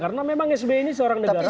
karena memang sb ini seorang negara lawan